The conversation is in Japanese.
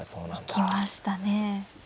行きましたね。